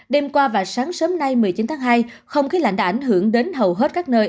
đêm qua và sáng sớm nay một mươi chín tháng hai không khí lạnh đã ảnh hưởng đến hầu hết các nơi